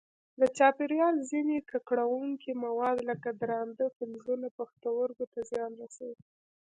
د چاپېریال ځیني ککړونکي مواد لکه درانده فلزونه پښتورګو ته زیان رسوي.